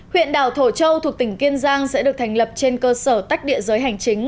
huyện đảo thổ châu thuộc tỉnh kiên giang sẽ được thành lập trên cơ sở tách địa giới hành chính